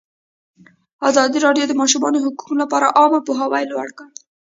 ازادي راډیو د د ماشومانو حقونه لپاره عامه پوهاوي لوړ کړی.